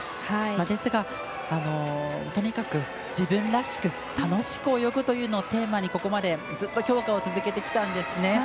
ですが、とにかく自分らしく楽しく泳ぐというのをテーマに、ここまでずっと強化を続けてきたんですね。